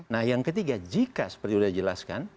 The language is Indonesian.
nah yang ketiga jika seperti sudah dijelaskan